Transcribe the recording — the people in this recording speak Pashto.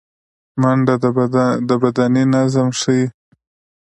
منډه د بدني نظم ښيي